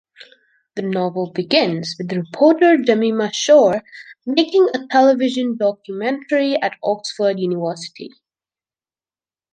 The novel begins with reporter Jemima Shore making a television documentary at Oxford University.